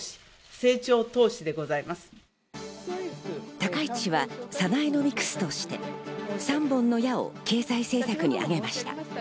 高市氏はサナエノミクスとして３本の矢を経済政策に挙げました。